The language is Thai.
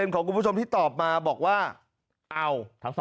ของคุณผู้ชมที่ตอบมาบอกว่าเอา